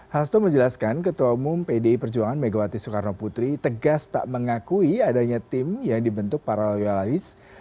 hasto menjelaskan ketua umum pdi perjuangan megawati soekarno putri tegas tak mengakui adanya tim yang dibentuk paralialis